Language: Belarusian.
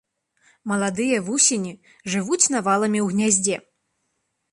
Маладыя вусені жывуць наваламі ў гняздзе.